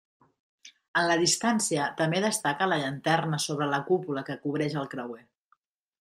En la distància també destaca la llanterna sobre la cúpula que cobreix el creuer.